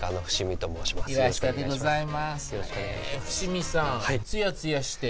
伏見さん